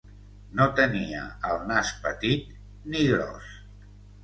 No tenia el nas petit ni gros